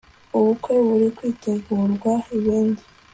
ubukwe buri kwitegurwa ibindi